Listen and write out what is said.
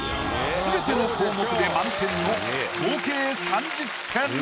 すべての項目で満点の合計３０点。